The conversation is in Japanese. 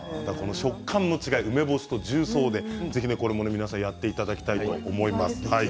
食感の違い、梅干しと重曹をやってみていただきたいと思います。